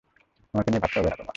আমাকে নিয়ে ভাবতে হবে না তোমার।